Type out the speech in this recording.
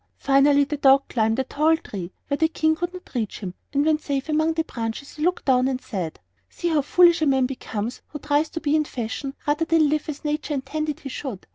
Finally the dog climbed a tall tree where the King could not reach him, and when safe among the branches he looked down and said: "See how foolish a man becomes who tries to be in fashion rather than live as nature intended he should!